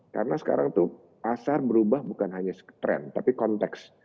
karena sekarang tuh pasar berubah bukan hanya trend tapi konteks